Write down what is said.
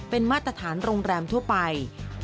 เป็นมาตรฐานโรงแรมทั่วไป